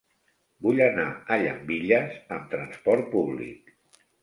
Vull anar a Llambilles amb trasport públic.